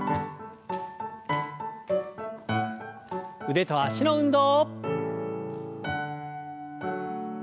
腕と脚の運動。